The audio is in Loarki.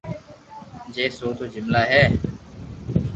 ڇي سو تو جملا ھي